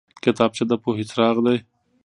کتابچه د پوهې څراغ دی